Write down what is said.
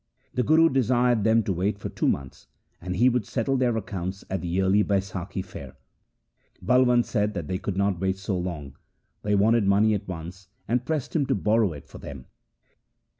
The Guru desired them to wait for two months, and he would settle their accounts at the yearly Baisakhi fair. Balwand said they could not wait so long ; they wanted money at once, and pressed him to borrow it for them.